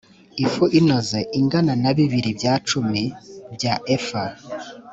ifu inoze ingana na bibiri bya cumi bya efa